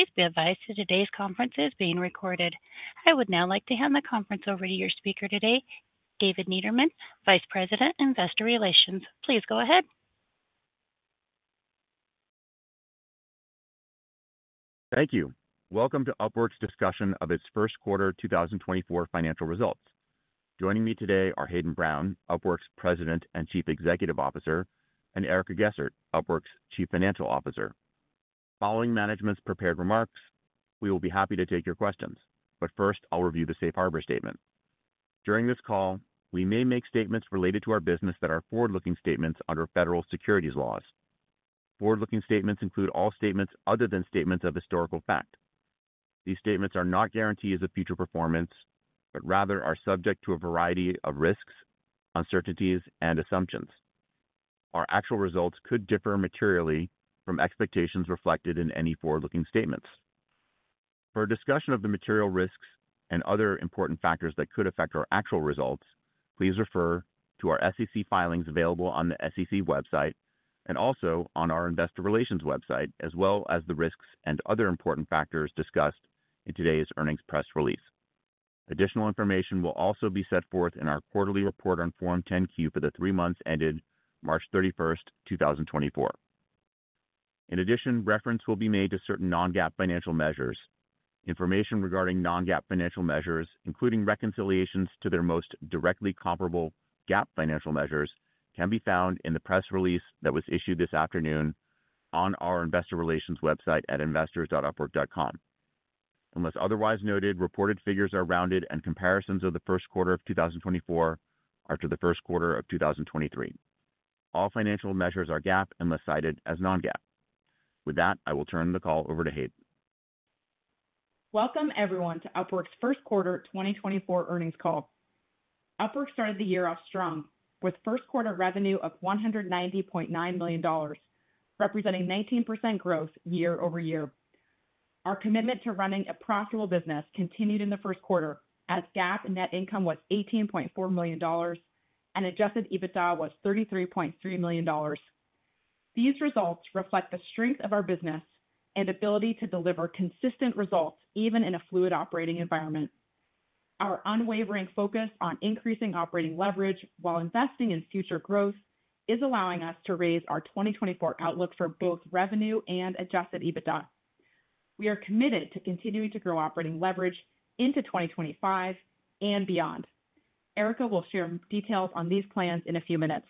Please be advised that today's conference is being recorded. I would now like to hand the conference over to your speaker today, David Niederman, Vice President, Investor Relations. Please go ahead. Thank you. Welcome to Upwork's discussion of its first quarter 2024 financial results. Joining me today are Hayden Brown, Upwork's President and Chief Executive Officer, and Erica Gessert, Upwork's Chief Financial Officer. Following management's prepared remarks, we will be happy to take your questions, but first, I'll review the safe harbor statement. During this call, we may make statements related to our business that are forward-looking statements under federal securities laws. Forward-looking statements include all statements other than statements of historical fact. These statements are not guarantees of future performance, but rather are subject to a variety of risks, uncertainties, and assumptions. Our actual results could differ materially from expectations reflected in any forward-looking statements. For a discussion of the material risks and other important factors that could affect our actual results, please refer to our SEC filings available on the SEC website and also on our investor relations website, as well as the risks and other important factors discussed in today's earnings press release. Additional information will also be set forth in our quarterly report on Form 10-Q for the three months ended March 31, 2024. In addition, reference will be made to certain non-GAAP financial measures. Information regarding non-GAAP financial measures, including reconciliations to their most directly comparable GAAP financial measures, can be found in the press release that was issued this afternoon on our investor relations website at investors.upwork.com. Unless otherwise noted, reported figures are rounded, and comparisons of the first quarter of 2024 are to the first quarter of 2023. All financial measures are GAAP unless cited as non-GAAP. With that, I will turn the call over to Hayden. Welcome, everyone, to Upwork's first quarter 2024 earnings call. Upwork started the year off strong, with first quarter revenue of $190.9 million, representing 19% growth year-over-year. Our commitment to running a profitable business continued in the first quarter, as GAAP net income was $18.4 million and adjusted EBITDA was $33.3 million. These results reflect the strength of our business and ability to deliver consistent results, even in a fluid operating environment. Our unwavering focus on increasing operating leverage while investing in future growth is allowing us to raise our 2024 outlook for both revenue and adjusted EBITDA. We are committed to continuing to grow operating leverage into 2025 and beyond. Erica will share details on these plans in a few minutes.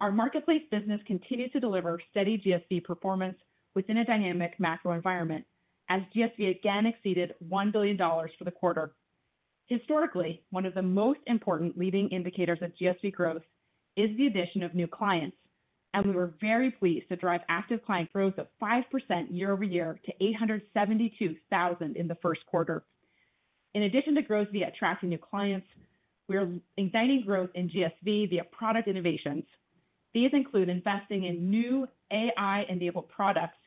Our Marketplace business continued to deliver steady GSV performance within a dynamic macro environment, as GSV again exceeded $1 billion for the quarter. Historically, one of the most important leading indicators of GSV growth is the addition of new clients, and we were very pleased to drive active client growth of 5% year-over-year to 872,000 in the first quarter. In addition to growth via attracting new clients, we are igniting growth in GSV via product innovations. These include investing in new AI-enabled products,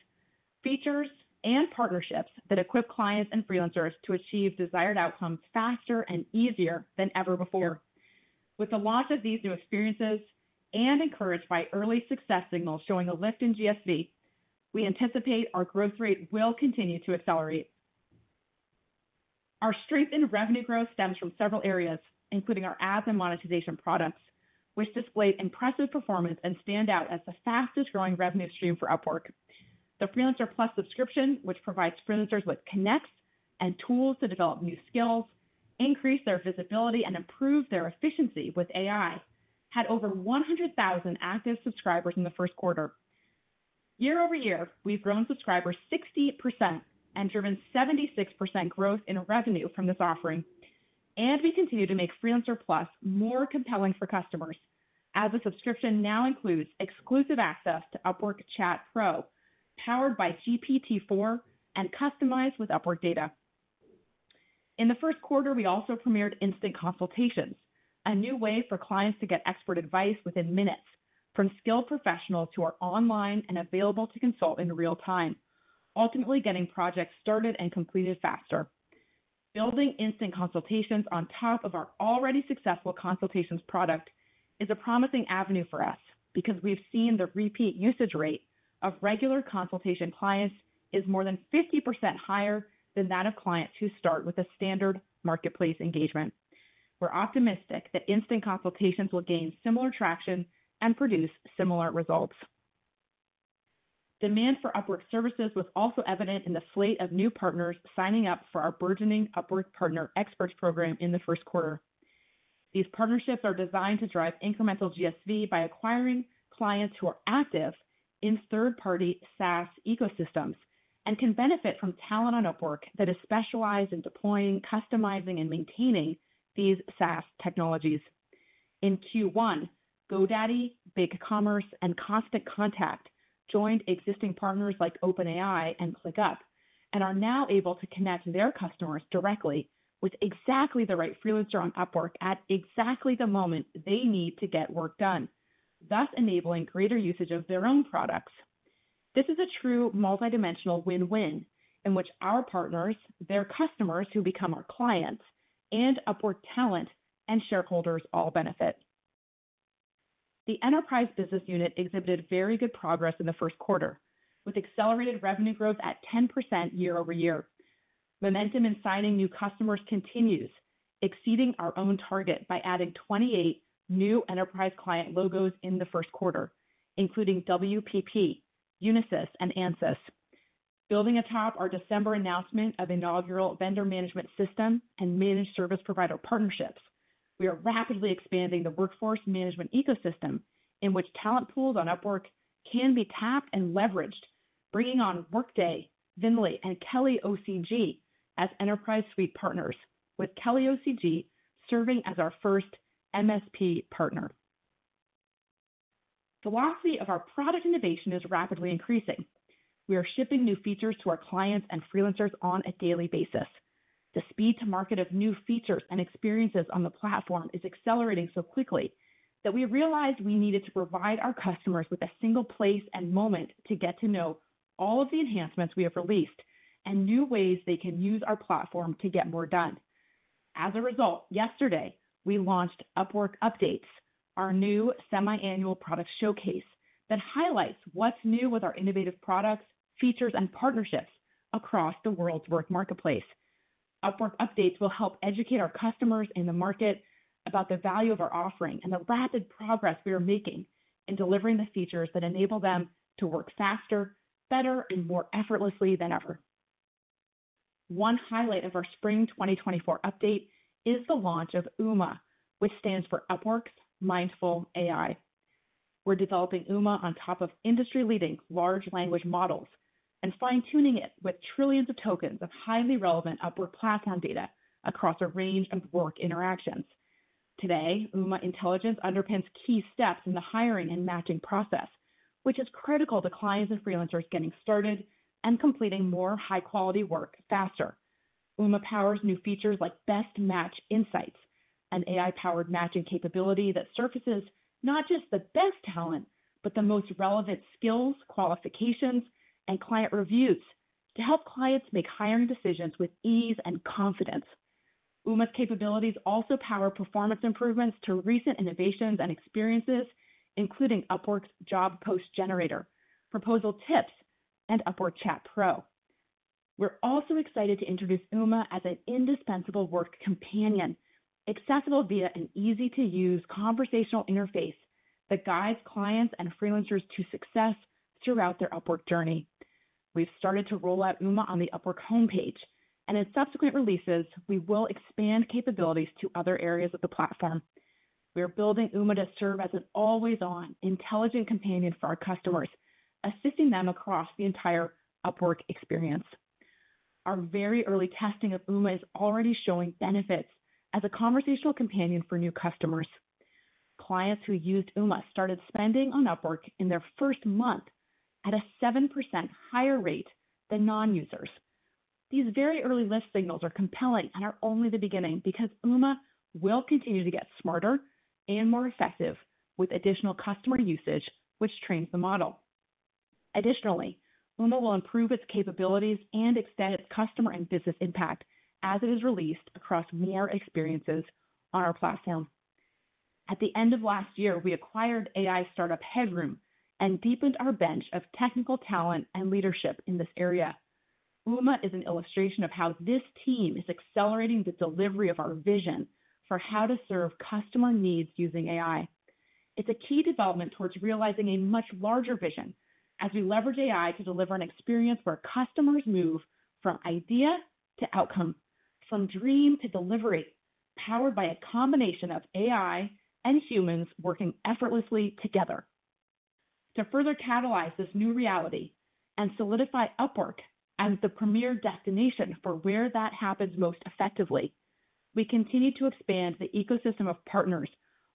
features, and partnerships that equip clients and freelancers to achieve desired outcomes faster and easier than ever before. With the launch of these new experiences and encouraged by early success signals showing a lift in GSV, we anticipate our growth rate will continue to accelerate. Our strength in revenue growth stems from several areas, including our ads and monetization products, which displayed impressive performance and stand out as the fastest-growing revenue stream for Upwork. The Freelancer Plus subscription, which provides freelancers with Connects and tools to develop new skills, increase their visibility, and improve their efficiency with AI, had over 100,000 active subscribers in the first quarter. Year-over-year, we've grown subscribers 60% and driven 76% growth in revenue from this offering, and we continue to make Freelancer Plus more compelling for customers, as the subscription now includes exclusive access to Upwork Chat Pro, powered by GPT-4 and customized with Upwork data. In the first quarter, we also premiered Instant Consultations, a new way for clients to get expert advice within minutes from skilled professionals who are online and available to consult in real time, ultimately getting projects started and completed faster. Building Instant Consultations on top of our already successful consultations product is a promising avenue for us because we've seen the repeat usage rate of regular consultation clients is more than 50% higher than that of clients who start with a standard marketplace engagement. We're optimistic that Instant Consultations will gain similar traction and produce similar results. Demand for Upwork services was also evident in the slate of new partners signing up for our burgeoning Upwork Partner Experts program in the first quarter. These partnerships are designed to drive incremental GSV by acquiring clients who are active in third-party SaaS ecosystems and can benefit from talent on Upwork that is specialized in deploying, customizing, and maintaining these SaaS technologies. In Q1, GoDaddy, BigCommerce, and Constant Contact joined existing partners like OpenAI and ClickUp, and are now able to connect their customers directly with exactly the right freelancer on Upwork at exactly the moment they need to get work done, thus enabling greater usage of their own products. This is a true multidimensional win-win in which our partners, their customers who become our clients, and Upwork talent and shareholders all benefit. The Enterprise business unit exhibited very good progress in the first quarter, with accelerated revenue growth at 10% year-over-year. Momentum in signing new customers continues, exceeding our own target by adding 28 new Enterprise client logos in the first quarter, including WPP, Unisys and Ansys. Building atop our December announcement of inaugural vendor management system and managed service provider partnerships, we are rapidly expanding the workforce management ecosystem in which talent pools on Upwork can be tapped and leveraged, bringing on Workday, VNDLY, and KellyOCG as Enterprise suite partners, with KellyOCG serving as our first MSP partner. Velocity of our product innovation is rapidly increasing. We are shipping new features to our clients and freelancers on a daily basis. The speed to market of new features and experiences on the platform is accelerating so quickly, that we realized we needed to provide our customers with a single place and moment to get to know all of the enhancements we have released and new ways they can use our platform to get more done. As a result, yesterday, we launched Upwork Updates, our new semiannual product showcase that highlights what's new with our innovative products, features, and partnerships across the world's work marketplace. Upwork Updates will help educate our customers in the market about the value of our offering and the rapid progress we are making in delivering the features that enable them to work faster, better, and more effortlessly than ever. One highlight of our spring 2024 update is the launch of Uma, which stands for Upwork's Mindful AI. We're developing Uma on top of industry-leading large language models and fine-tuning it with trillions of tokens of highly relevant Upwork platform data across a range of work interactions. Today, Uma intelligence underpins key steps in the hiring and matching process, which is critical to clients and freelancers getting started and completing more high-quality work faster. Uma powers new features like Best Match insights, an AI-powered matching capability that surfaces not just the best talent, but the most relevant skills, qualifications, and client reviews to help clients make hiring decisions with ease and confidence. Uma's capabilities also power performance improvements to recent innovations and experiences, including Upwork's Job Post Generator, Proposal Tips, and Upwork Chat Pro. We're also excited to introduce Uma as an indispensable work companion, accessible via an easy-to-use conversational interface that guides clients and freelancers to success throughout their Upwork journey. We've started to roll out Uma on the Upwork homepage, and in subsequent releases, we will expand capabilities to other areas of the platform. We are building Uma to serve as an always-on intelligent companion for our customers, assisting them across the entire Upwork experience. Our very early testing of Uma is already showing benefits as a conversational companion for new customers. Clients who used Uma started spending on Upwork in their first month at a 7% higher rate than non-users. These very early lift signals are compelling and are only the beginning because Uma will continue to get smarter and more effective with additional customer usage, which trains the model. Additionally, Uma will improve its capabilities and extend its customer and business impact as it is released across more experiences on our platform. At the end of last year, we acquired AI startup Headroom and deepened our bench of technical talent and leadership in this area. Uma is an illustration of how this team is accelerating the delivery of our vision for how to serve customer needs using AI. It's a key development towards realizing a much larger vision as we leverage AI to deliver an experience where customers move from idea to outcome, from dream to delivery, powered by a combination of AI and humans working effortlessly together. To further catalyze this new reality and solidify Upwork as the premier destination for where that happens most effectively, we continue to expand the ecosystem of partners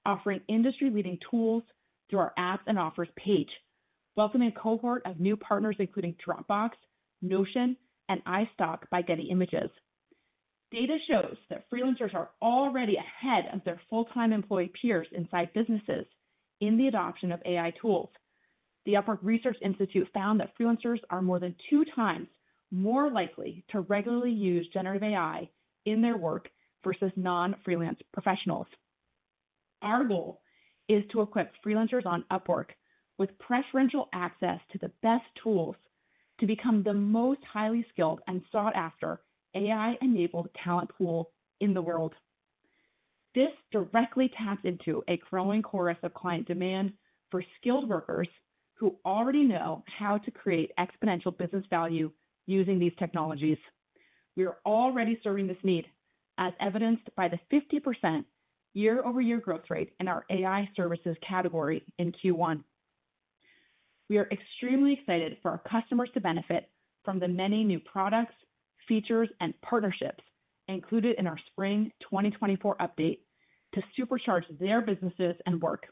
offering industry-leading tools through our Apps and Offers page, welcoming a cohort of new partners, including Dropbox, Notion, and iStock by Getty Images. Data shows that freelancers are already ahead of their full-time employee peers inside businesses in the adoption of AI tools. The Upwork Research Institute found that freelancers are more than two times more likely to regularly use generative AI in their work versus non-freelance professionals. Our goal is to equip freelancers on Upwork with preferential access to the best tools to become the most highly skilled and sought after AI-enabled talent pool in the world. This directly taps into a growing chorus of client demand for skilled workers who already know how to create exponential business value using these technologies. We are already serving this need, as evidenced by the 50% year-over-year growth rate in our AI Services category in Q1. We are extremely excited for our customers to benefit from the many new products, features, and partnerships included in our Spring 2024 update to supercharge their businesses and work.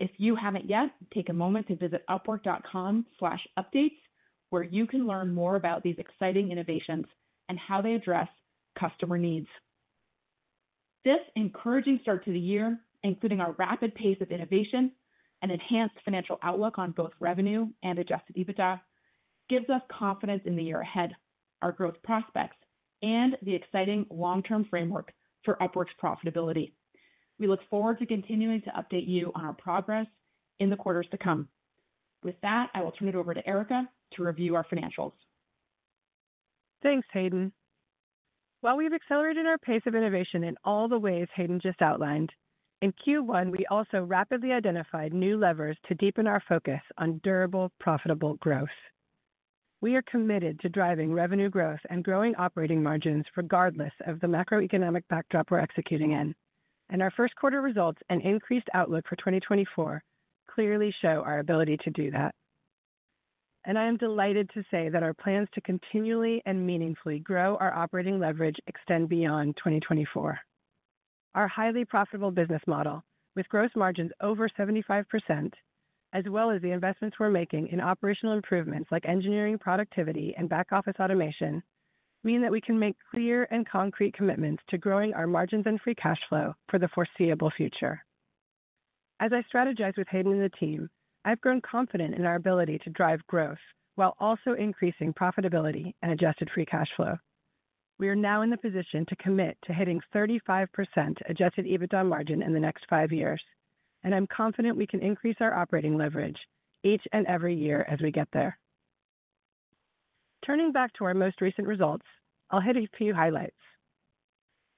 If you haven't yet, take a moment to visit upwork.com/updates, where you can learn more about these exciting innovations and how they address customer needs. This encouraging start to the year, including our rapid pace of innovation and enhanced financial outlook on both revenue and adjusted EBITDA, gives us confidence in the year ahead, our growth prospects, and the exciting long-term framework for Upwork's profitability. We look forward to continuing to update you on our progress in the quarters to come. With that, I will turn it over to Erica to review our financials. Thanks, Hayden. While we've accelerated our pace of innovation in all the ways Hayden just outlined, in Q1, we also rapidly identified new levers to deepen our focus on durable, profitable growth. We are committed to driving revenue growth and growing operating margins regardless of the macroeconomic backdrop we're executing in. Our first quarter results and increased outlook for 2024 clearly show our ability to do that. I am delighted to say that our plans to continually and meaningfully grow our operating leverage extend beyond 2024. Our highly profitable business model, with gross margins over 75%, as well as the investments we're making in operational improvements like engineering, productivity, and back-office automation, mean that we can make clear and concrete commitments to growing our margins and free cash flow for the foreseeable future. As I strategize with Hayden and the team, I've grown confident in our ability to drive growth while also increasing profitability and adjusted free cash flow. We are now in the position to commit to hitting 35% adjusted EBITDA margin in the next five years, and I'm confident we can increase our operating leverage each and every year as we get there. Turning back to our most recent results, I'll hit a few highlights.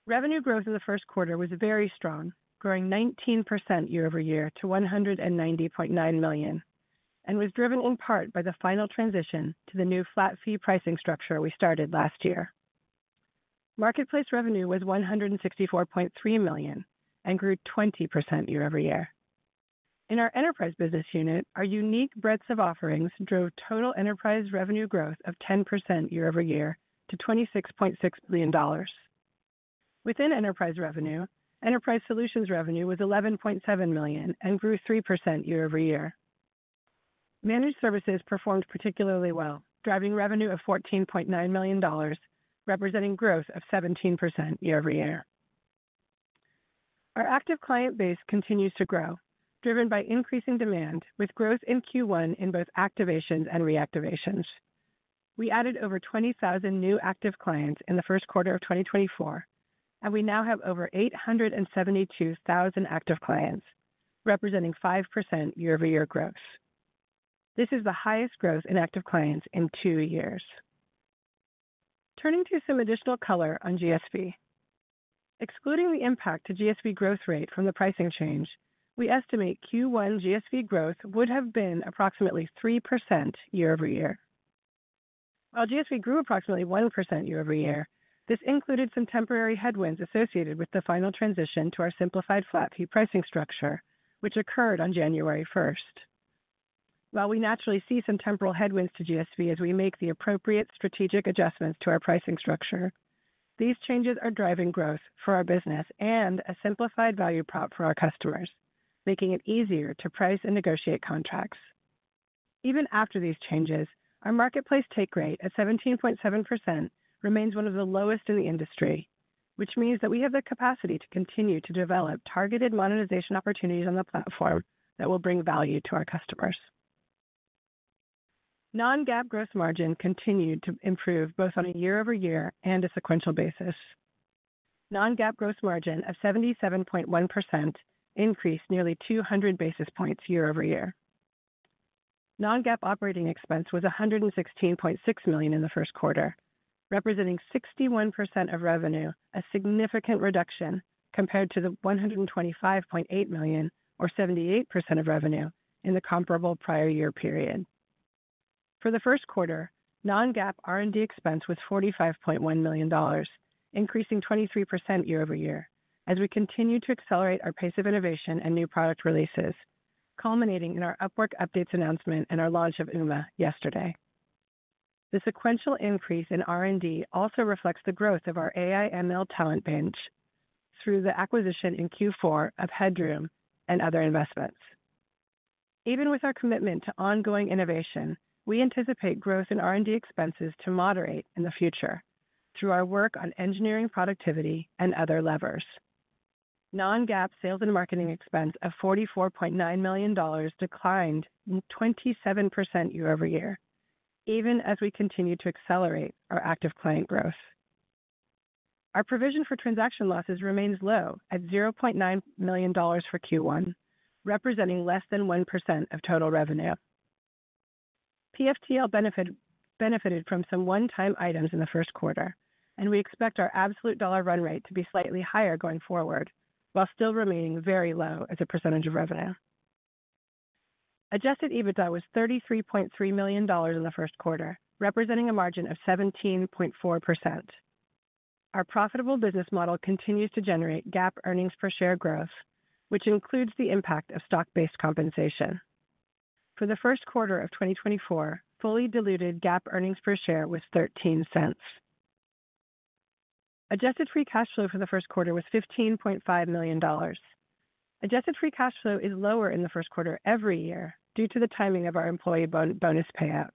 Revenue growth in the first quarter was very strong, growing 19% year-over-year to $190.9 million, and was driven in part by the final transition to the new flat fee pricing structure we started last year. Marketplace revenue was $164.3 million and grew 20% year-over-year. In our Enterprise business unit, our unique breadth of offerings drove total Enterprise revenue growth of 10% year-over-year to $26.6 million. Within Enterprise revenue, Enterprise Solutions revenue was $11.7 million and grew 3% year-over-year. Managed Services performed particularly well, driving revenue of $14.9 million, representing growth of 17% year-over-year. Our active client base continues to grow, driven by increasing demand, with growth in Q1 in both activations and reactivations. We added over 20,000 new active clients in the first quarter of 2024, and we now have over 872,000 active clients, representing 5% year-over-year growth. This is the highest growth in active clients in two years. Turning to some additional color on GSV. Excluding the impact to GSV growth rate from the pricing change, we estimate Q1 GSV growth would have been approximately 3% year-over-year. While GSV grew approximately 1% year-over-year, this included some temporary headwinds associated with the final transition to our simplified flat fee pricing structure, which occurred on January first. While we naturally see some temporal headwinds to GSV as we make the appropriate strategic adjustments to our pricing structure, these changes are driving growth for our business and a simplified value prop for our customers, making it easier to price and negotiate contracts. Even after these changes, our marketplace take rate at 17.7% remains one of the lowest in the industry, which means that we have the capacity to continue to develop targeted monetization opportunities on the platform that will bring value to our customers. Non-GAAP gross margin continued to improve both on a year-over-year and a sequential basis. Non-GAAP gross margin of 77.1% increased nearly 200 basis points year-over-year. Non-GAAP operating expense was $116.6 million in the first quarter, representing 61% of revenue, a significant reduction compared to the $125.8 million, or 78% of revenue, in the comparable prior year period. For the first quarter, non-GAAP R&D expense was $45.1 million, increasing 23% year-over-year as we continued to accelerate our pace of innovation and new product releases, culminating in our Upwork Updates announcement and our launch of Uma yesterday. The sequential increase in R&D also reflects the growth of our AI ML talent bench through the acquisition in Q4 of Headroom and other investments. Even with our commitment to ongoing innovation, we anticipate growth in R&D expenses to moderate in the future through our work on engineering, productivity, and other levers. Non-GAAP sales and marketing expense of $44.9 million declined 27% year-over-year, even as we continued to accelerate our active client growth. Our provision for transaction losses remains low at $0.9 million for Q1, representing less than 1% of total revenue. PFTL benefited from some one-time items in the first quarter, and we expect our absolute dollar run rate to be slightly higher going forward, while still remaining very low as a percentage of revenue. Adjusted EBITDA was $33.3 million in the first quarter, representing a margin of 17.4%. Our profitable business model continues to generate GAAP earnings per share growth, which includes the impact of stock-based compensation. For the first quarter of 2024, fully diluted GAAP earnings per share was $0.13. Adjusted free cash flow for the first quarter was $15.5 million. Adjusted free cash flow is lower in the first quarter every year due to the timing of our employee bonus, bonus payout.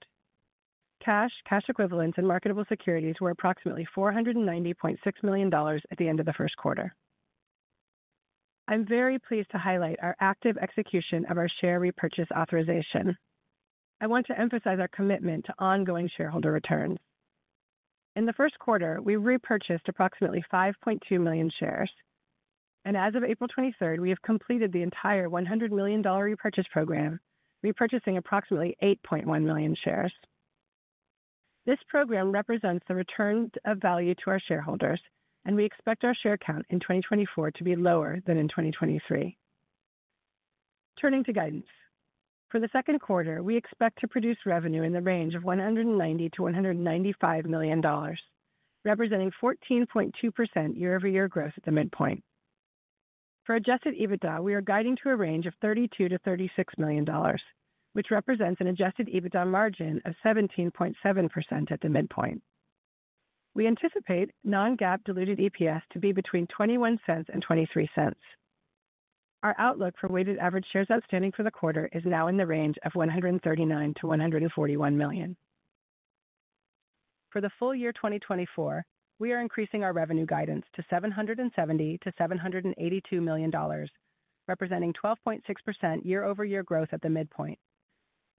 Cash, cash equivalents, and marketable securities were approximately $490.6 million at the end of the first quarter. I'm very pleased to highlight our active execution of our share repurchase authorization. I want to emphasize our commitment to ongoing shareholder returns. In the first quarter, we repurchased approximately 5.2 million shares, and as of April 23, we have completed the entire $100 million repurchase program, repurchasing approximately 8.1 million shares. This program represents the returns of value to our shareholders, and we expect our share count in 2024 to be lower than in 2023. Turning to guidance. For the second quarter, we expect to produce revenue in the range of $190 million-$195 million, representing 14.2% year-over-year growth at the midpoint. For adjusted EBITDA, we are guiding to a range of $32 million-$36 million, which represents an adjusted EBITDA margin of 17.7% at the midpoint. We anticipate non-GAAP diluted EPS to be between $0.21 and $0.23. Our outlook for weighted average shares outstanding for the quarter is now in the range of 139 million-141 million. For the full year 2024, we are increasing our revenue guidance to $770 million-$782 million, representing 12.6% year-over-year growth at the midpoint.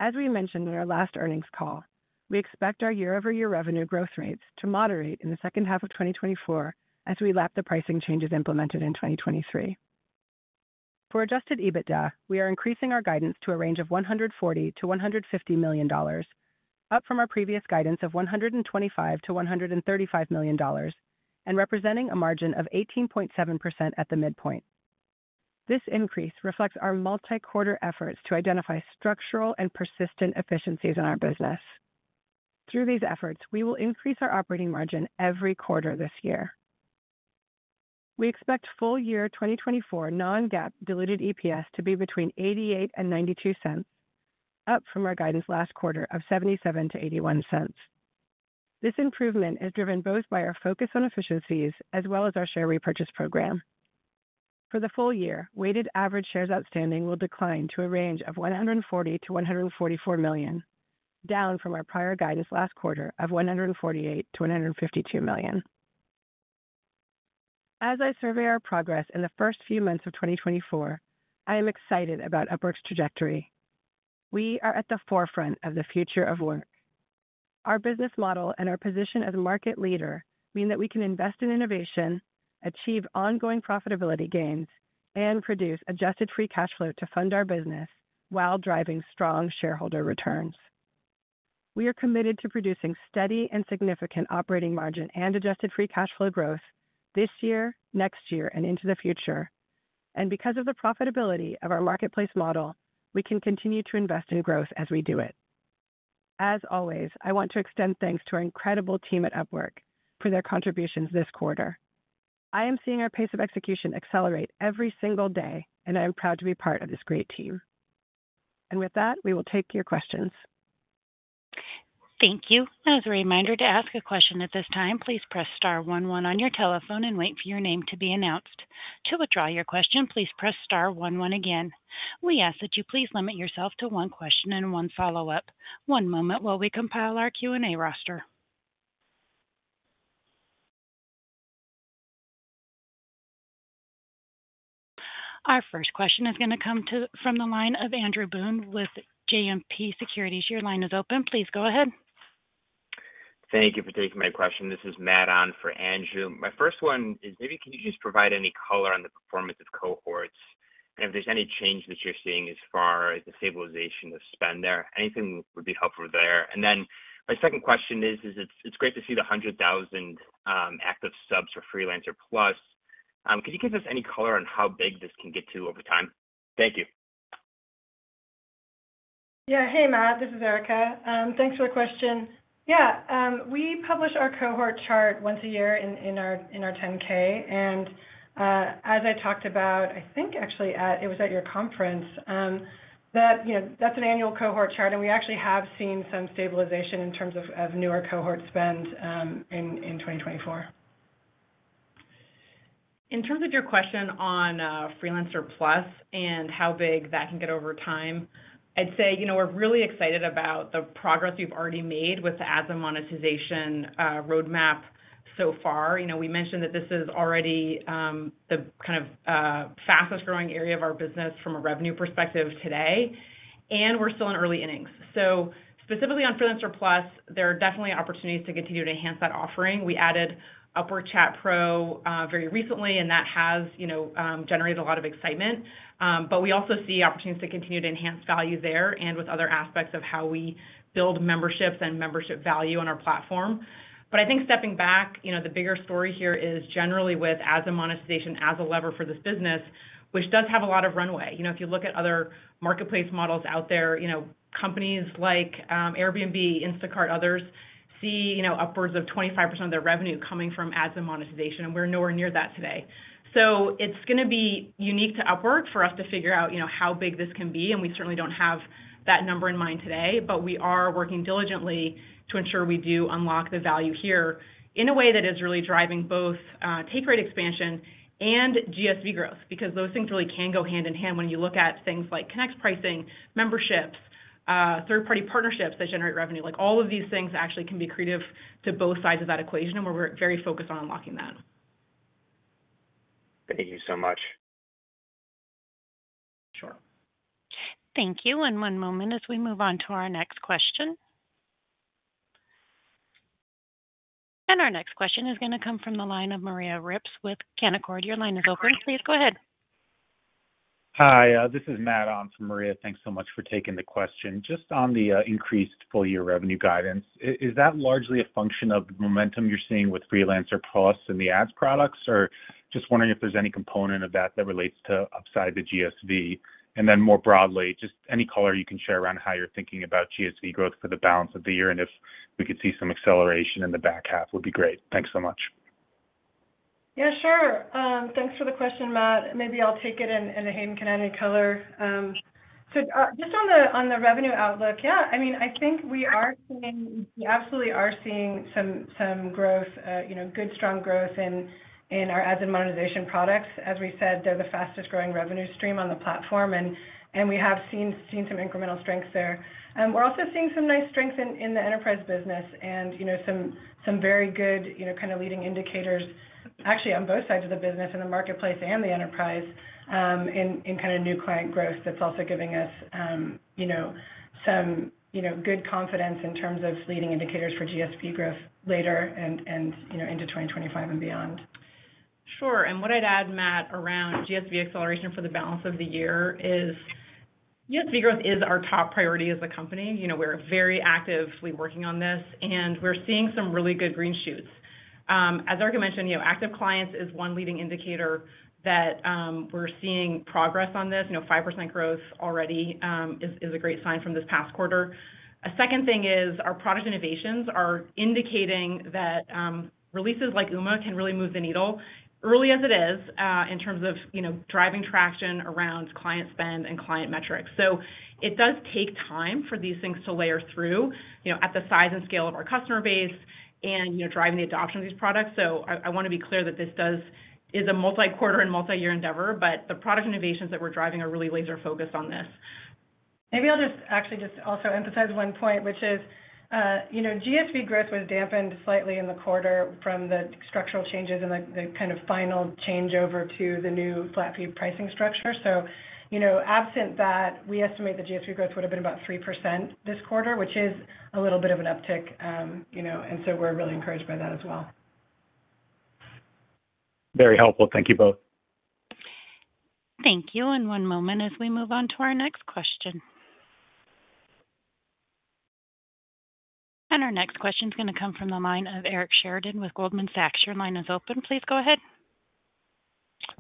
As we mentioned in our last earnings call, we expect our year-over-year revenue growth rates to moderate in the second half of 2024 as we lap the pricing changes implemented in 2023. For adjusted EBITDA, we are increasing our guidance to a range of $140 million-$150 million, up from our previous guidance of $125 million-$135 million, and representing a margin of 18.7% at the midpoint. This increase reflects our multi-quarter efforts to identify structural and persistent efficiencies in our business. Through these efforts, we will increase our operating margin every quarter this year. We expect full year 2024 non-GAAP diluted EPS to be between $0.88 and $0.92, up from our guidance last quarter of $0.77-$0.81. This improvement is driven both by our focus on efficiencies as well as our share repurchase program. For the full year, weighted average shares outstanding will decline to a range of 140 million-144 million, down from our prior guidance last quarter of 148-152 million. As I survey our progress in the first few months of 2024, I am excited about Upwork's trajectory. We are at the forefront of the future of work. Our business model and our position as a market leader mean that we can invest in innovation, achieve ongoing profitability gains, and produce adjusted free cash flow to fund our business while driving strong shareholder returns. We are committed to producing steady and significant operating margin and adjusted free cash flow growth this year, next year, and into the future. Because of the profitability of our marketplace model, we can continue to invest in growth as we do it. As always, I want to extend thanks to our incredible team at Upwork for their contributions this quarter. I am seeing our pace of execution accelerate every single day, and I am proud to be part of this great team. With that, we will take your questions. Thank you. As a reminder, to ask a question at this time, please press star one one on your telephone and wait for your name to be announced. To withdraw your question, please press star one one again. We ask that you please limit yourself to one question and one follow-up. One moment while we compile our Q&A roster. Our first question is going to come from the line of Andrew Boone with JMP Securities. Your line is open. Please go ahead. Thank you for taking my question. This is Matt on for Andrew. My first one is, maybe can you just provide any color on the performance of cohorts and if there's any change that you're seeing as far as the stabilization of spend there? Anything would be helpful there. And then my second question is, it's great to see the 100,000 active subs for Freelancer Plus. Could you give us any color on how big this can get to over time? Thank you. Yeah. Hey, Matt, this is Erica. Thanks for the question. Yeah, we publish our cohort chart once a year in our 10-K, and as I talked about, I think actually at your conference, that you know, that's an annual cohort chart, and we actually have seen some stabilization in terms of newer cohort spend in 2024. In terms of your question on Freelancer Plus and how big that can get over time, I'd say, you know, we're really excited about the progress we've already made with the ads and monetization roadmap so far. You know, we mentioned that this is already the kind of fastest growing area of our business from a revenue perspective today, and we're still in early innings. So specifically on Freelancer Plus, there are definitely opportunities to continue to enhance that offering. We added Upwork Chat Pro very recently, and that has, you know, generated a lot of excitement. But we also see opportunities to continue to enhance value there and with other aspects of how we build memberships and membership value on our platform. But I think stepping back, you know, the bigger story here is generally with ads and monetization as a lever for this business, which does have a lot of runway. You know, if you look at other marketplace models out there, you know, companies like Airbnb, Instacart, others, see, you know, upwards of 25% of their revenue coming from ads and monetization, and we're nowhere near that today. So it's gonna be unique to Upwork for us to figure out, you know, how big this can be, and we certainly don't have that number in mind today, but we are working diligently to ensure we do unlock the value here in a way that is really driving both take rate expansion and GSV growth, because those things really can go hand-in-hand when you look at things like Connect pricing, memberships, third-party partnerships that generate revenue. Like, all of these things actually can be accretive to both sides of that equation, and we're very focused on unlocking that. Thank you so much. Thank you. And one moment as we move on to our next question. And our next question is going to come from the line of Maria Ripps with Canaccord. Your line is open. Please go ahead. Hi, this is Matt on from Maria. Thanks so much for taking the question. Just on the increased full-year revenue guidance, is that largely a function of the momentum you're seeing with Freelancer Plus and the ads products? Or just wondering if there's any component of that that relates to upside the GSV. And then more broadly, just any color you can share around how you're thinking about GSV growth for the balance of the year, and if we could see some acceleration in the back half would be great. Thanks so much. Yeah, sure. Thanks for the question, Matt. Maybe I'll take it, and Hayden can add any color. So, just on the revenue outlook, yeah, I mean, I think we are seeing, we absolutely are seeing some growth, you know, good, strong growth in our ads and monetization products. As we said, they're the fastest growing revenue stream on the platform, and we have seen some incremental strengths there. We're also seeing some nice strengths in the Enterprise business and, you know, some very good, you know, kind of leading indicators, actually on both sides of the business, in the Marketplace and the Enterprise, in kind of new client growth. That's also giving us, you know, some, you know, good confidence in terms of leading indicators for GSV growth later and, you know, into 2025 and beyond. Sure. And what I'd add, Matt, around GSV acceleration for the balance of the year is GSV growth is our top priority as a company. You know, we're very actively working on this, and we're seeing some really good green shoots. As Erica mentioned, you know, active clients is one leading indicator that we're seeing progress on this. You know, 5% growth already is a great sign from this past quarter. A second thing is, our product innovations are indicating that releases like Uma can really move the needle early as it is in terms of, you know, driving traction around client spend and client metrics. So it does take time for these things to layer through, you know, at the size and scale of our customer base and, you know, driving the adoption of these products. So I want to be clear that this is a multi-quarter and multi-year endeavor, but the product innovations that we're driving are really laser focused on this. Maybe I'll just, actually, just also emphasize one point, which is, you know, GSV growth was dampened slightly in the quarter from the structural changes and the kind of final changeover to the new flat fee pricing structure. So, you know, absent that, we estimate the GSV growth would have been about 3% this quarter, which is a little bit of an uptick. You know, and so we're really encouraged by that as well. Very helpful. Thank you both. Thank you. And one moment as we move on to our next question. And our next question is going to come from the line of Eric Sheridan with Goldman Sachs. Your line is open. Please go ahead.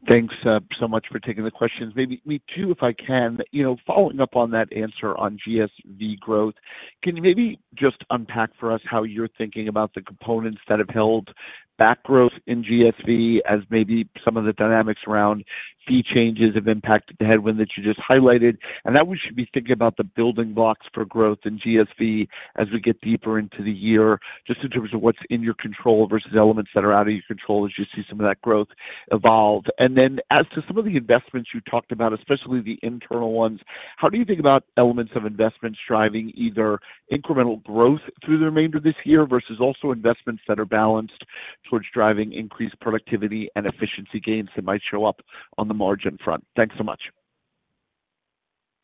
Thanks, so much for taking the questions. Me too, if I can. You know, following up on that answer on GSV growth, can you maybe just unpack for us how you're thinking about the components that have held back growth in GSV, as maybe some of the dynamics around fee changes have impacted the headwind that you just highlighted? And how we should be thinking about the building blocks for growth in GSV as we get deeper into the year, just in terms of what's in your control versus elements that are out of your control, as you see some of that growth evolve. And then as to some of the investments you talked about, especially the internal ones, how do you think about elements of investments driving either incremental growth through the remainder of this year versus also investments that are balanced towards driving increased productivity and efficiency gains that might show up on the margin front? Thanks so much.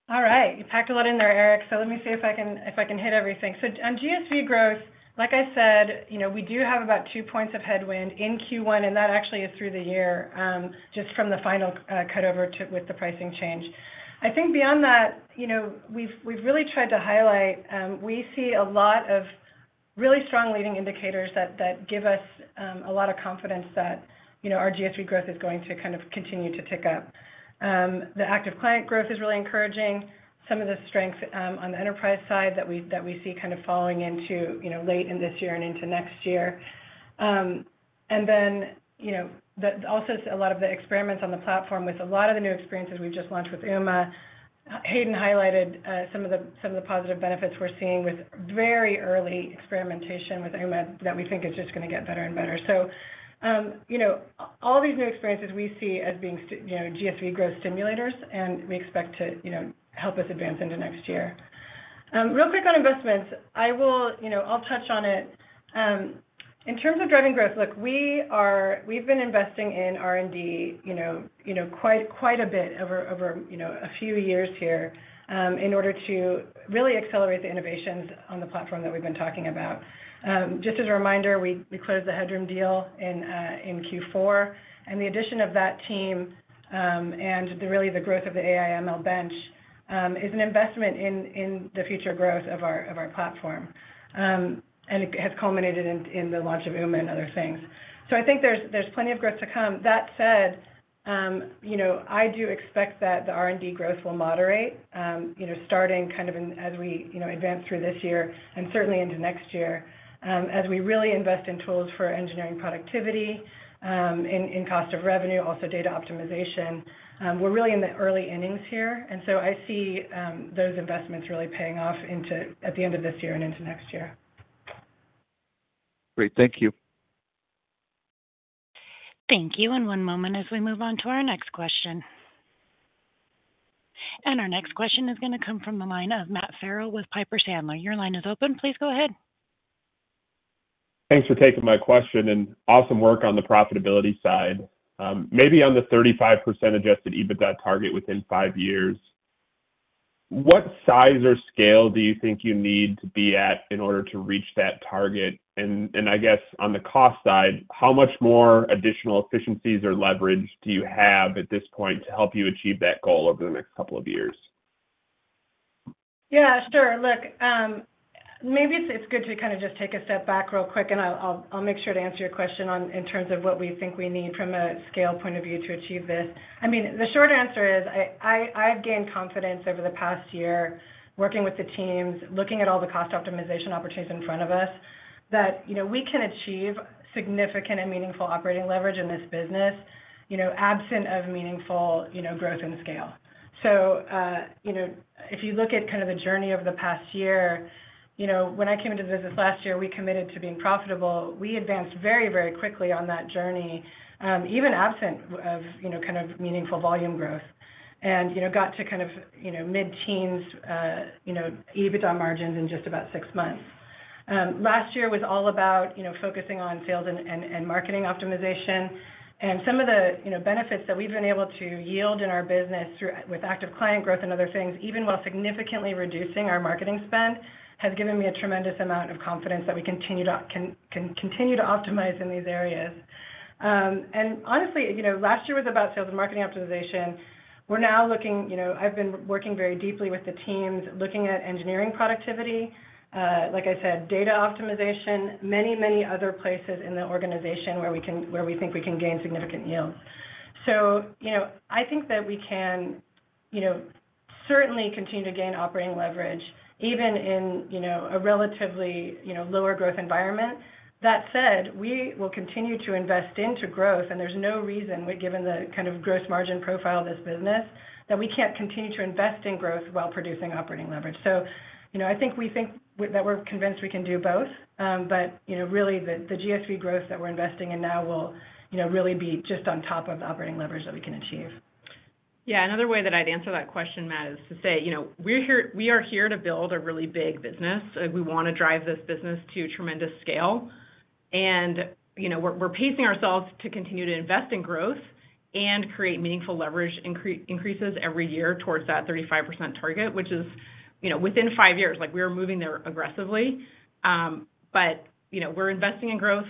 All right. You packed a lot in there, Eric, so let me see if I can, if I can hit everything. So on GSV growth, like I said, you know, we do have about two points of headwind in Q1, and that actually is through the year, just from the final cut over to with the pricing change. I think beyond that, you know, we've really tried to highlight, we see a lot of really strong leading indicators that give us a lot of confidence that, you know, our GSV growth is going to kind of continue to tick up. The active client growth is really encouraging. Some of the strength on the Enterprise side that we see kind of falling into, you know, late in this year and into next year. And then, you know, also a lot of the experiments on the platform with a lot of the new experiences we've just launched with Uma. Hayden highlighted some of the positive benefits we're seeing with very early experimentation with Uma, that we think is just going to get better and better. So, you know, all these new experiences we see as being, you know, GSV growth stimulators, and we expect to, you know, help us advance into next year. Real quick on investments. You know, I'll touch on it. In terms of driving growth, look, we've been investing in R&D, you know, quite a bit over, you know, a few years here, in order to really accelerate the innovations on the platform that we've been talking about. Just as a reminder, we, we closed the Headroom deal in, in Q4, and the addition of that team, and really the growth of the AI ML bench, is an investment in, in the future growth of our, of our platform, and it has culminated in, in the launch of Uma and other things. So I think there's, there's plenty of growth to come. That said, you know, I do expect that the R&D growth will moderate, you know, starting kind of in, as we, you know, advance through this year and certainly into next year. As we really invest in tools for engineering productivity, in cost of revenue, also data optimization, we're really in the early innings here, and so I see those investments really paying off into at the end of this year and into next year. Great. Thank you. Thank you. One moment as we move on to our next question. Our next question is going to come from the line of Matt Farrell with Piper Sandler. Your line is open. Please go ahead. Thanks for taking my question and awesome work on the profitability side. Maybe on the 35% adjusted EBITDA target within five years, what size or scale do you think you need to be at in order to reach that target? And I guess on the cost side, how much more additional efficiencies or leverage do you have at this point to help you achieve that goal over the next couple of years? Yeah, sure. Look, maybe it's good to kind of just take a step back real quick, and I'll make sure to answer your question in terms of what we think we need from a scale point of view to achieve this. I mean, the short answer is, I've gained confidence over the past year working with the teams, looking at all the cost optimization opportunities in front of us, that, you know, we can achieve significant and meaningful operating leverage in this business, you know, absent of meaningful, you know, growth and scale. So, you know, if you look at kind of the journey over the past year, you know, when I came into the business last year, we committed to being profitable. We advanced very, very quickly on that journey, even absent of, you know, kind of meaningful volume growth, and, you know, got to kind of, you know, mid-teens EBITDA margins in just about six months. Last year was all about, you know, focusing on sales and marketing optimization. Some of the, you know, benefits that we've been able to yield in our business through with active client growth and other things, even while significantly reducing our marketing spend, has given me a tremendous amount of confidence that we continue to can continue to optimize in these areas. And honestly, you know, last year was about sales and marketing optimization. We're now looking, you know, I've been working very deeply with the teams, looking at engineering productivity, like I said, data optimization, many, many other places in the organization where we think we can gain significant yields. So, you know, I think that we can, you know, certainly continue to gain operating leverage even in, you know, a relatively, you know, lower growth environment. That said, we will continue to invest into growth, and there's no reason, given the kind of gross margin profile of this business, that we can't continue to invest in growth while producing operating leverage. So, you know, I think we think that we're convinced we can do both. But, you know, really, the, the GSV growth that we're investing in now will, you know, really be just on top of the operating leverage that we can achieve. Yeah, another way that I'd answer that question, Matt, is to say, you know, we're here to build a really big business. We want to drive this business to tremendous scale. And, you know, we're pacing ourselves to continue to invest in growth and create meaningful leverage increases every year towards that 35% target, which is, you know, within five years, like, we are moving there aggressively. But, you know, we're investing in growth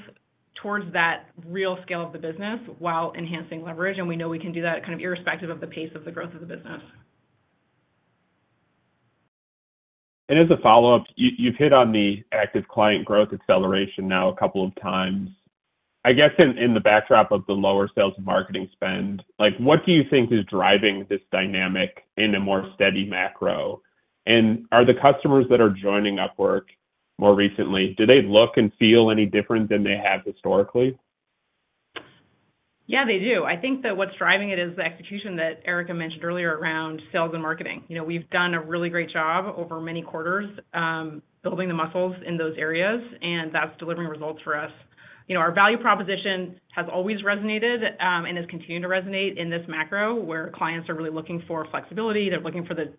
towards that real scale of the business while enhancing leverage, and we know we can do that kind of irrespective of the pace of the growth of the business. And as a follow-up, you've hit on the active client growth acceleration now a couple of times. I guess in the backdrop of the lower sales and marketing spend, like, what do you think is driving this dynamic in a more steady macro? And are the customers that are joining Upwork more recently, do they look and feel any different than they have historically? Yeah, they do. I think that what's driving it is the execution that Erica mentioned earlier around sales and marketing. You know, we've done a really great job over many quarters, building the muscles in those areas, and that's delivering results for us. You know, our value proposition has always resonated, and has continued to resonate in this macro, where clients are really looking for flexibility, they're looking for the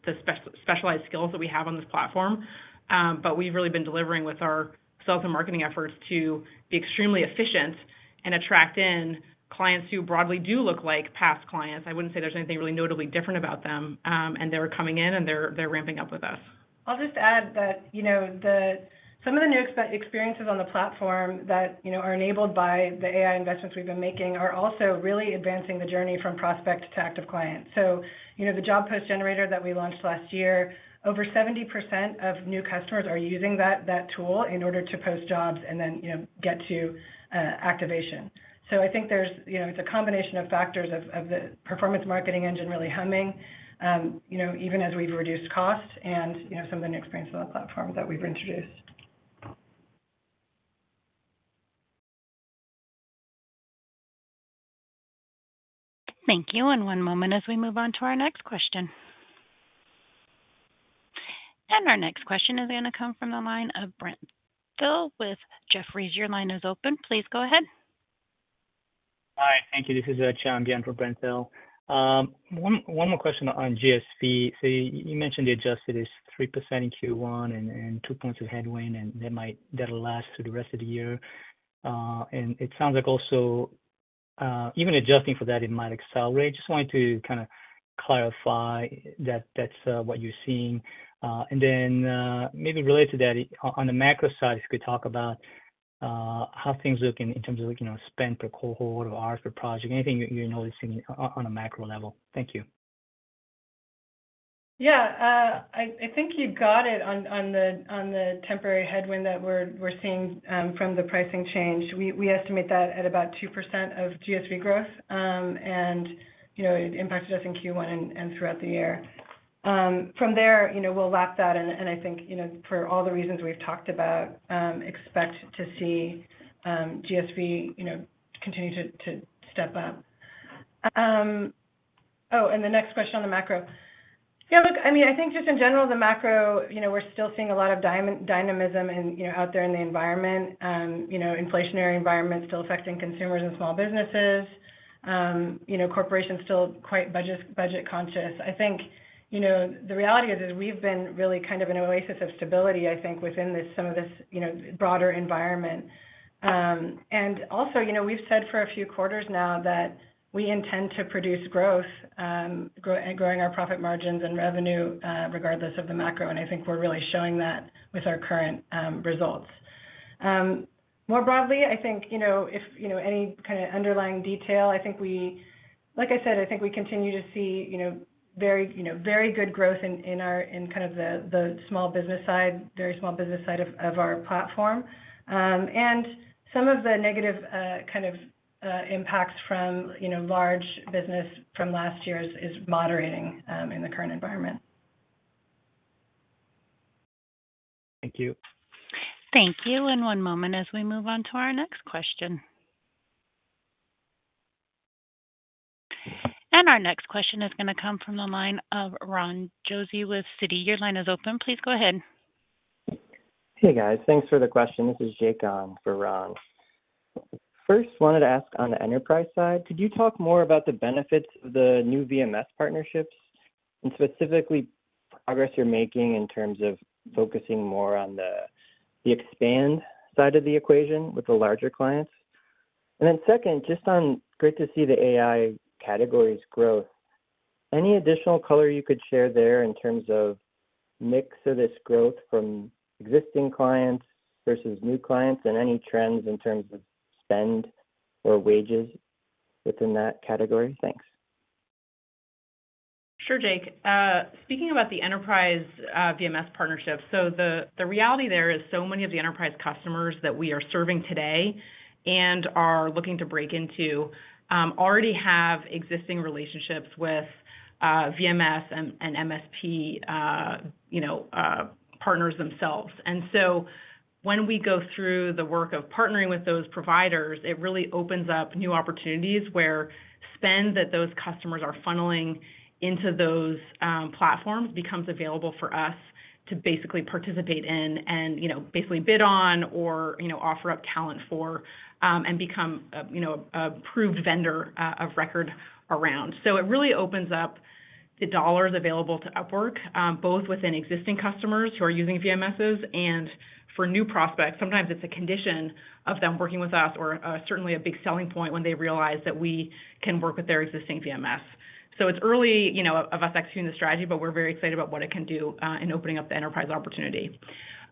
specialized skills that we have on this platform. But we've really been delivering with our sales and marketing efforts to be extremely efficient and attract in clients who broadly do look like past clients. I wouldn't say there's anything really notably different about them, and they're coming in, and they're ramping up with us. I'll just add that, you know, some of the new experiences on the platform that, you know, are enabled by the AI investments we've been making are also really advancing the journey from prospect to active client. So, you know, the Job Post Generator that we launched last year, over 70% of new customers are using that tool in order to post jobs and then, you know, get to activation. So I think there's, you know, it's a combination of factors of the performance marketing engine really humming, you know, even as we've reduced costs and, you know, some of the new experiences on the platform that we've introduced. Thank you. One moment as we move on to our next question. Our next question is going to come from the line of Brent Thill with Jefferies. Your line is open. Please go ahead. Hi, thank you. This is John Byun from Brent Thill. One more question on GSV. So you mentioned the adjusted is 3% in Q1 and two points of headwind, and that'll last through the rest of the year. And it sounds like also, even adjusting for that, it might accelerate. Just wanted to kind of clarify that that's what you're seeing. And then, maybe related to that, on the macro side, if you could talk about how things look in terms of, you know, spend per cohort or hours per project, anything that you're noticing on a macro level. Thank you. Yeah, I think you got it on the temporary headwind that we're seeing from the pricing change. We estimate that at about 2% of GSV growth. And, you know, it impacted us in Q1 and throughout the year. From there, you know, we'll lap that, and I think, you know, for all the reasons we've talked about, expect to see GSV continue to step up. Oh, and the next question on the macro. Yeah, look, I mean, I think just in general, the macro, you know, we're still seeing a lot of dynamism in, you know, out there in the environment, you know, inflationary environment still affecting consumers and small businesses. You know, corporations still quite budget conscious. I think, you know, the reality is that we've been really kind of an oasis of stability, I think, within some of this, you know, broader environment. And also, you know, we've said for a few quarters now that we intend to produce growth, growing our profit margins and revenue, regardless of the macro, and I think we're really showing that with our current results. More broadly, I think, you know, if you know any kind of underlying detail, I think we, like I said, I think we continue to see, you know, very, you know, very good growth in our kind of the small business side of our platform. And some of the negative kind of impacts from, you know, large business from last year is moderating in the current environment. Thank you. Thank you. One moment as we move on to our next question. Our next question is going to come from the line of Ron Josey with Citi. Your line is open. Please go ahead. Hey, guys. Thanks for the question. This is Jake on for Ron. First, wanted to ask on the Enterprise side, could you talk more about the benefits of the new VMS partnerships, and specifically progress you're making in terms of focusing more on the expand side of the equation with the larger clients? And then second, just on—great to see the AI categories growth. Any additional color you could share there in terms of mix of this growth from existing clients versus new clients, and any trends in terms of spend or wages within that category? Thanks. Sure, Jake. Speaking about the Enterprise VMS partnership, so the reality there is so many of the Enterprise customers that we are serving today and are looking to break into already have existing relationships with VMS and MSP you know partners themselves. And so when we go through the work of partnering with those providers, it really opens up new opportunities where spend that those customers are funneling into those platforms becomes available for us to basically participate in and you know basically bid on or you know offer up talent for and become a you know approved vendor of record around. So it really opens up the dollars available to Upwork both within existing customers who are using VMSs and for new prospects. Sometimes it's a condition of them working with us or, certainly a big selling point when they realize that we can work with their existing VMS. So it's early, you know, of us executing the strategy, but we're very excited about what it can do, in opening up the Enterprise opportunity.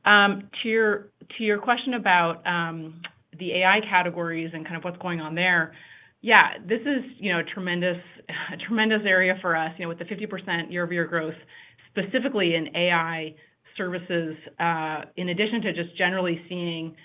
To your, to your question about, the AI categories and kind of what's going on there. Yeah, this is, you know, a tremendous, a tremendous area for us, you know, with the 50% year-over-year growth, specifically in AI services, in addition to just generally seeing,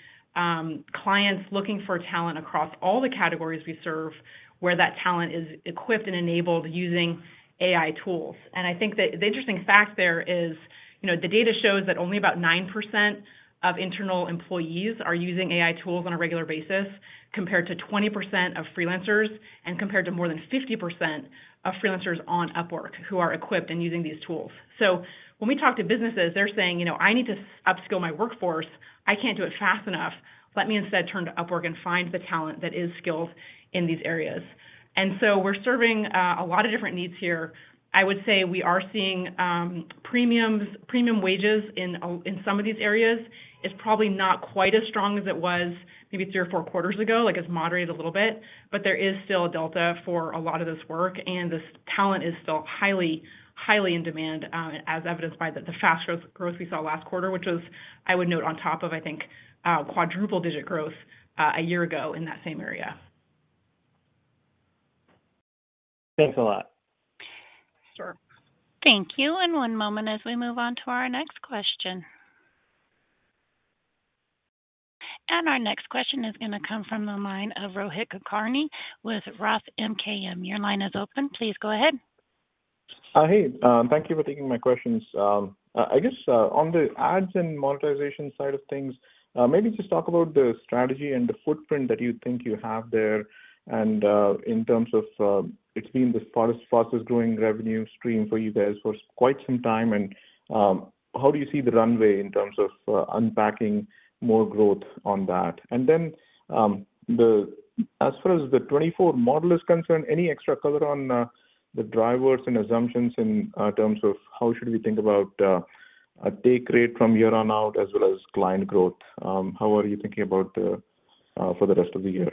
clients looking for talent across all the categories we serve, where that talent is equipped and enabled using AI tools. I think that the interesting fact there is, you know, the data shows that only about 9% of internal employees are using AI tools on a regular basis, compared to 20% of freelancers, and compared to more than 50% of freelancers on Upwork, who are equipped and using these tools. So when we talk to businesses, they're saying, "You know, I need to upskill my workforce. I can't do it fast enough. Let me instead turn to Upwork and find the talent that is skilled in these areas." And so we're serving a lot of different needs here. I would say we are seeing premiums, premium wages in some of these areas. It's probably not quite as strong as it was maybe three or four quarters ago, like, it's moderated a little bit, but there is still a delta for a lot of this work, and this talent is still highly, highly in demand, as evidenced by the fast growth we saw last quarter, which was, I would note, on top of, I think, quadruple-digit growth, a year ago in that same area. Thanks a lot. Sure. Thank you. One moment as we move on to our next question. Our next question is going to come from the line of Rohit Kulkarni with ROTH MKM. Your line is open. Please go ahead. Hey, thank you for taking my questions. I guess, on the ads and monetization side of things, maybe just talk about the strategy and the footprint that you think you have there, and, in terms of, it's been the fastest, fastest growing revenue stream for you guys for quite some time. And, how do you see the runway in terms of, unpacking more growth on that? And then, as far as the 2024 model is concerned, any extra color on, the drivers and assumptions in, terms of how should we think about, a take rate from year on out as well as client growth? How are you thinking about the, for the rest of the year?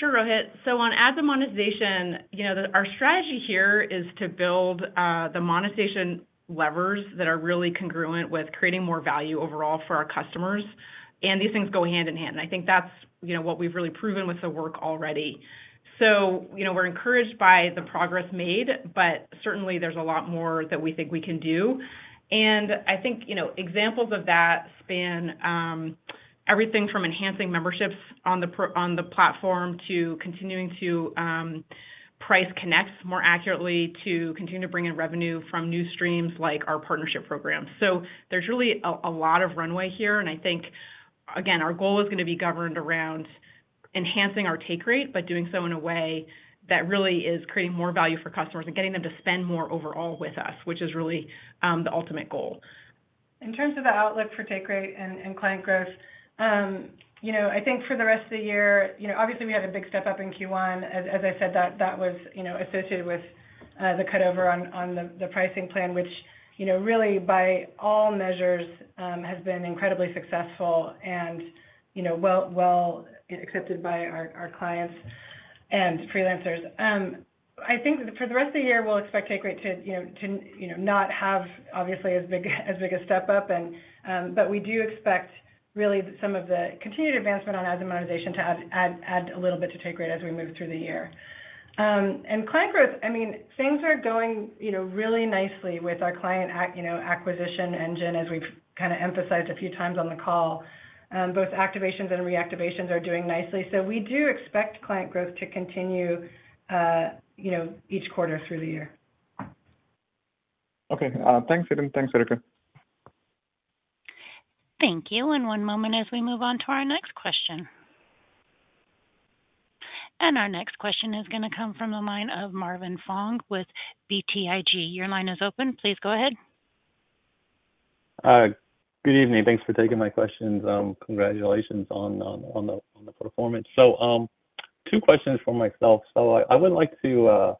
Sure, Rohit. So on ads and monetization, you know, our strategy here is to build the monetization levers that are really congruent with creating more value overall for our customers, and these things go hand in hand. I think that's, you know, what we've really proven with the work already. So, you know, we're encouraged by the progress made, but certainly there's a lot more that we think we can do. And I think, you know, examples of that span everything from enhancing memberships on the platform, to continuing to price Connects more accurately, to continuing to bring in revenue from new streams like our partnership program. So there's really a lot of runway here, and I think. Again, our goal is gonna be governed around enhancing our take rate, but doing so in a way that really is creating more value for customers and getting them to spend more overall with us, which is really the ultimate goal. In terms of the outlook for take rate and client growth, you know, I think for the rest of the year, you know, obviously, we had a big step-up in Q1. As I said, that was, you know, associated with the cutover on the pricing plan, which, you know, really, by all measures, has been incredibly successful and, you know, well accepted by our clients and freelancers. I think for the rest of the year, we'll expect take rate to, you know, not have, obviously, as big a step-up and, but we do expect really some of the continued advancement on ad monetization to add a little bit to take rate as we move through the year. And client growth, I mean, things are going, you know, really nicely with our client acquisition engine, as we've kinda emphasized a few times on the call. Both activations and reactivations are doing nicely. So we do expect client growth to continue, you know, each quarter through the year. Okay. Thanks, Hayden. Thanks, Erica. Thank you. One moment as we move on to our next question. Our next question is gonna come from the line of Marvin Fong with BTIG. Your line is open. Please go ahead. Good evening. Thanks for taking my questions. Congratulations on the performance. So, two questions from myself. So I would like to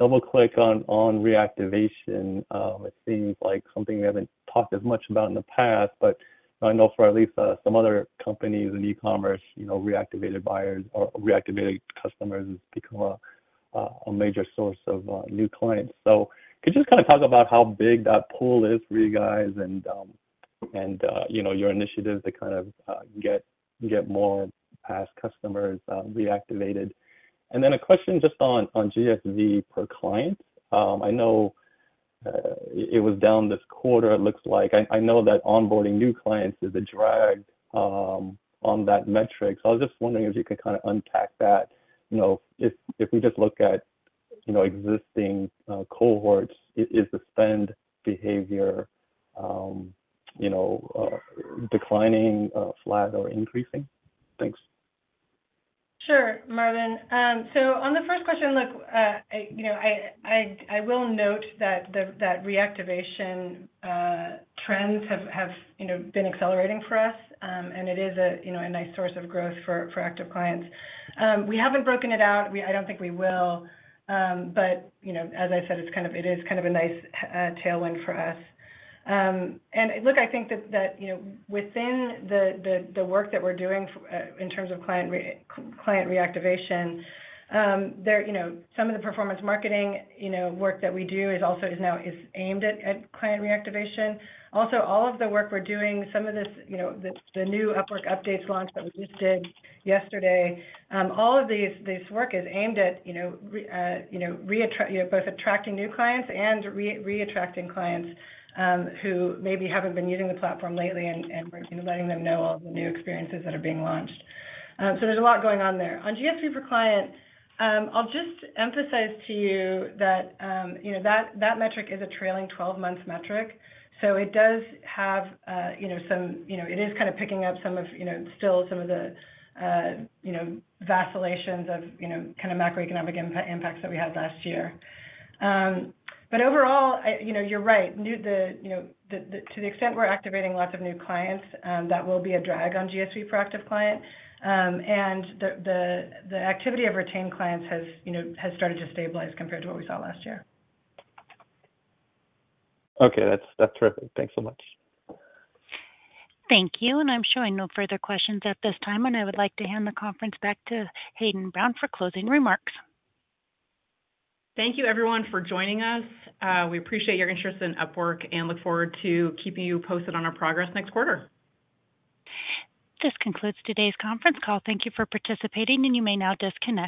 double-click on reactivation. It seems like something we haven't talked as much about in the past, but I know for at least some other companies in e-commerce, you know, reactivated buyers or reactivating customers has become a major source of new clients. So could you just kinda talk about how big that pool is for you guys and, you know, your initiatives to kind of get more past customers reactivated? And then a question just on GSV per client. I know it was down this quarter, it looks like. I know that onboarding new clients is a drag on that metric, so I was just wondering if you could kinda unpack that. You know, if we just look at, you know, existing cohorts, is the spend behavior, you know, declining, flat, or increasing? Thanks. Sure, Marvin. So on the first question, look, I, you know, I will note that that reactivation trends have, you know, been accelerating for us, and it is a, you know, a nice source of growth for active clients. We haven't broken it out. I don't think we will, but, you know, as I said, it's kind of, it is kind of a nice tailwind for us. And look, I think that, you know, within the work that we're doing in terms of client reactivation, there, you know, some of the performance marketing, you know, work that we do is also now aimed at client reactivation. Also, all of the work we're doing, some of this, you know, the new Upwork Updates launch that we just did yesterday, all of these, this work is aimed at, you know, reattracting both attracting new clients and reattracting clients, who maybe haven't been using the platform lately and we're, you know, letting them know all the new experiences that are being launched. So there's a lot going on there. On GSV per client, I'll just emphasize to you that, you know, that metric is a trailing twelve-month metric, so it does have, you know, some. You know, it is kind of picking up some of, you know, still some of the, you know, vacillations of, you know, kind of macroeconomic impacts that we had last year. But overall, I, you know, you're right. You know, the, the, to the extent we're activating lots of new clients, that will be a drag on GSV per active client. And the activity of retained clients has, you know, has started to stabilize compared to what we saw last year. Okay. That's, that's terrific. Thanks so much. Thank you, and I'm showing no further questions at this time, and I would like to hand the conference back to Hayden Brown for closing remarks. Thank you, everyone, for joining us. We appreciate your interest in Upwork and look forward to keeping you posted on our progress next quarter. This concludes today's conference call. Thank you for participating, and you may now disconnect.